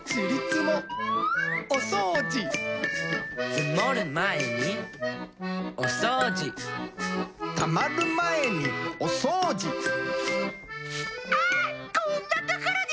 つもるまえにおそうじたまるまえにおそうじあっこんなところに！